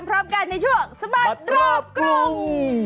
ในช่วงสบัดรอบกลุ่ม